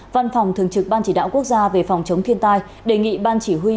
văn phòng thường trực ban chỉ đạo quốc gia về phòng chống thiên tai đề nghị ban chỉ huy